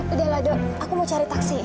udah lah do aku mau cari taksi